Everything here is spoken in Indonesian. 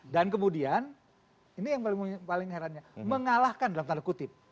dan kemudian ini yang paling herannya mengalahkan dalam tanda kutip